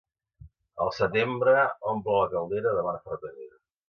El setembre omple la caldera de bona fartanera.